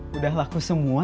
sudah laku semua